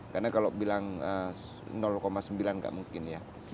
karena kalau bilang sembilan nggak mungkin ya